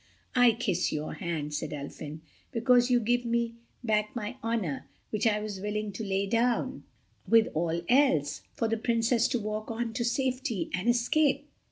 "I kiss your hand," said Ulfin, "because you give me back my honor, which I was willing to lay down, with all else, for the Princess to walk on to safety and escape.